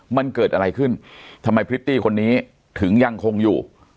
มันเกิดอะไรขึ้นทำไมพริตตี้คนนี้ถึงยังคงอยู่